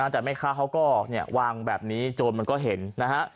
แต่แม่ค้าเขาก็วางแบบนี้โจรมันก็เห็นนะฮะ